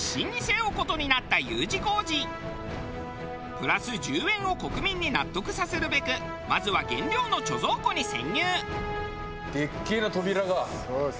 プラス１０円を国民に納得させるべくまずは原料の貯蔵庫に潜入。